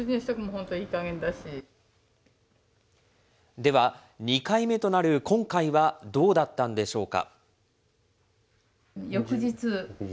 では、２回目となる今回はどうだったんでしょうか。